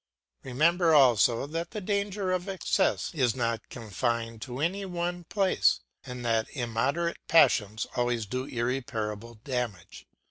Remember also, that the danger of excess is not confined to any one place, and that immoderate passions always do irreparable damage.